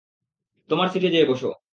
তোমার সিটে যেয়ে বসো।